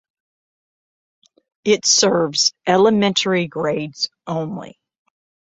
It serves elementary grades only.